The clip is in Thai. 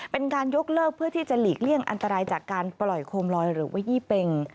เป็นการยกเลิกเพื่อที่จะหลีกเลี่ยงอันตรายจากการปล่อยโคมลอยหรือว่ายี่เป็ง